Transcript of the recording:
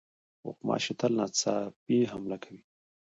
غوماشې تل ناڅاپي حمله کوي.